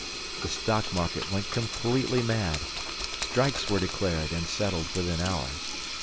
The Stock Market went completely mad. Strikes were declared and settled within hours.